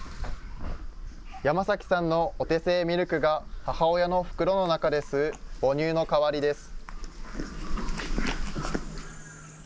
山崎さんのお手製ミルクが、母親の袋の中で吸う母乳の代わりです。